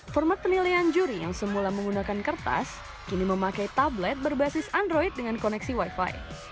format penilaian juri yang semula menggunakan kertas kini memakai tablet berbasis android dengan koneksi wifi